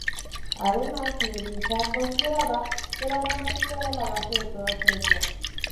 Además, Nebrija consideraba que la gramática era la base de toda ciencia.